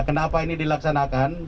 kenapa ini dilaksanakan